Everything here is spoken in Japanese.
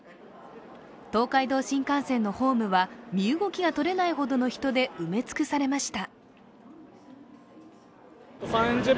東海道新幹線のホームは身動きが取れないほどの人で埋め尽くされました。